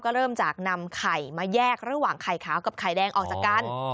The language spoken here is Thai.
เริ่มจากนำไข่มาแยกระหว่างไข่ขาวกับไข่แดงออกจากกัน